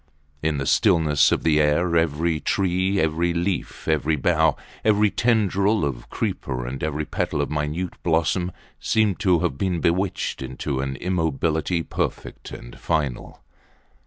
In the stillness of the air every tree, every leaf, every bough, every tendril of creeper and every petal of minute blossoms seemed to have been bewitched into an immobility perfect and final.